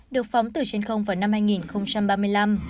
được phóng từ trên không vào năm hai nghìn ba mươi năm